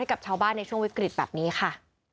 กับชาวบ้านในช่วงวิกฤตแบบนี้ค่ะ